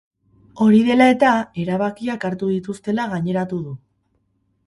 Hori dela eta, erabakiak hartu dituztela gaineratu du.